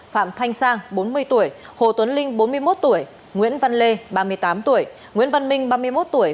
phạm thanh sang bốn mươi tuổi hồ tuấn linh bốn mươi một tuổi nguyễn văn lê ba mươi tám tuổi nguyễn văn minh ba mươi một tuổi